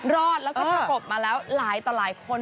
รอดแล้วก็ประกบมาแล้วหลายต่อหลายคน